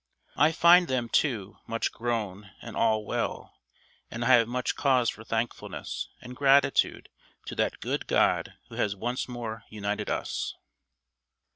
I find them, too, much grown, and all well, and I have much cause for thankfulness, and gratitude to that good God who has once more united us."